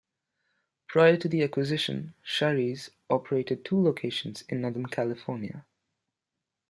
Prior to the acquisition, Shari's operated two locations in Northern California.